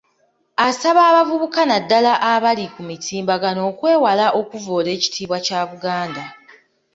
Asaba abavubuka naddala abali ku mutimbagano okwewala okuvvoola ekitibwa kya Buganda.